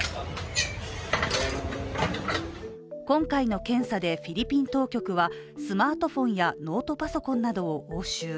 今回の検査でフィリピン当局は、スマートフォンやノートパソコンなどを押収。